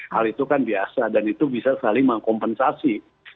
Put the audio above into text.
hal itu kan biasa dan itu bisa saling mengkompensasi